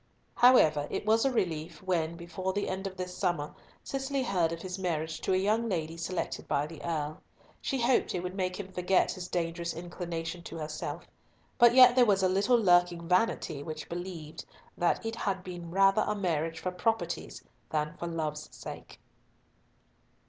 However, it was a relief when, before the end of this summer, Cicely heard of his marriage to a young lady selected by the Earl. She hoped it would make him forget his dangerous inclination to herself; but yet there was a little lurking vanity which believed that it had been rather a marriage for property's than for love's sake.